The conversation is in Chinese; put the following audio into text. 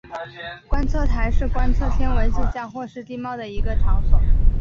观测台是观测天文现象或是地貌的一个场所。